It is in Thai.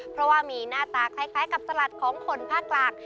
เพราะว่ามีหน้าตาคล้ายกับสลัดของคนภาคหลัก